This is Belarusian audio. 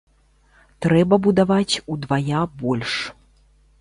Трэба будаваць удвая больш.